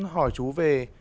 hỏi chú về